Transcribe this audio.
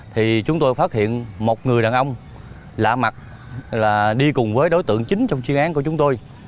thì chúng tôi phát hiện một người đàn ông lạ mặt là đi cùng với đối tượng chính trong chuyên án của chúng tôi